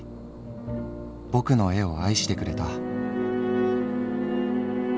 ぼくの絵を愛してくれた」。